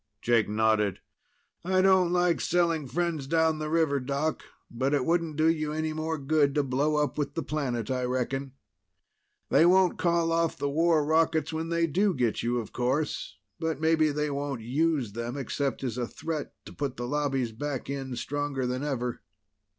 Jake nodded. "I don't like selling friends down the river, Doc. But it wouldn't do you any more good to blow up with the planet, I reckon. They won't call off the war rockets when they do get you, of course. But maybe they won't use them, except as a threat to put the Lobbies back in, stronger than ever."